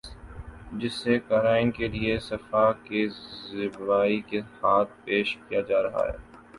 جسے قارئین کے لیے صفحہ کی زیبائی کے ساتھ پیش کیا جارہاہے